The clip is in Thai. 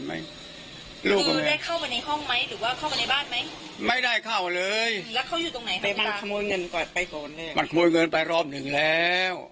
มันขโมยเงินไปรอบหนึ่งแล้ว